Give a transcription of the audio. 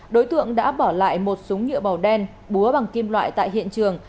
đối tượng đã bỏ lại một súng nhựa màu đen búa bằng kim loại tại hiện trường